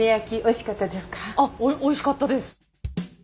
あっおいしかったです。